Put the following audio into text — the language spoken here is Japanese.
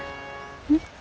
えっ？